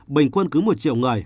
bình quân cứ một triệu người